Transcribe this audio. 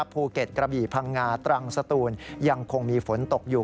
ภูเก็ตกระบี่พังงาตรังสตูนยังคงมีฝนตกอยู่